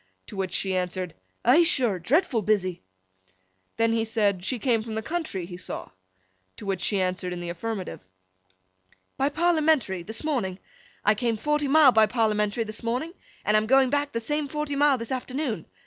To which she answered 'Eigh sure! Dreadful busy!' Then he said, she came from the country, he saw? To which she answered in the affirmative. 'By Parliamentary, this morning. I came forty mile by Parliamentary this morning, and I'm going back the same forty mile this afternoon.